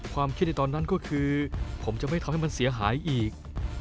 ความคิดในตอนนั้นก็คือผมจะไม่ทำให้มันเสียหายอีก